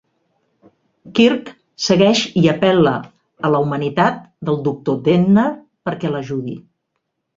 Kirk segueix i apel·la a la humanitat del Doctor Dehner perquè l'ajudi.